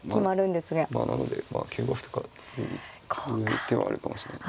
まあなので９五歩とか突く手はあるかもしれない。